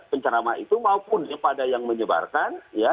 pencerama itu maupun kepada yang menyebarkan